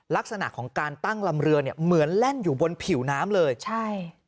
ลักษณะของการตั้งลำเรือเนี่ยเหมือนแล่นอยู่บนผิวน้ำเลยใช่